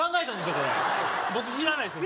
これ僕知らないですよ